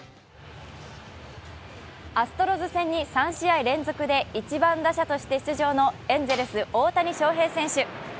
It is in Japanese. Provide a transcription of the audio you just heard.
アストロズ戦に３試合連続で１番打者として出場のエンゼルス・大谷翔平選手。